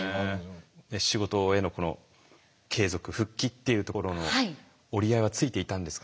仕事への継続復帰っていうところの折り合いはついていたんですか？